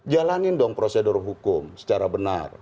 jalanin dong prosedur hukum secara benar